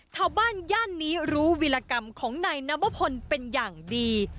ชาวบ้านย่านนี้รู้วิรกรรมของนายน้ำวพลเป็นอย่างดี